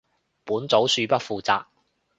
本組恕不負責